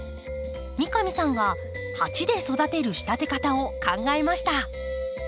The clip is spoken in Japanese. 三上さんが鉢で育てる仕立て方を考えました。